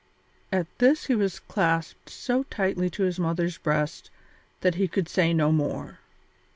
At this he was clasped so tightly to his mother's breast that he could say no more.